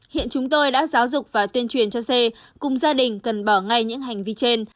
hiện chúng tôi đã giáo dục và tuyên truyền cho xê cùng gia đình cần bỏ ngay những hành vi trên